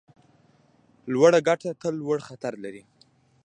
لوړه ګټه تل لوړ خطر لري.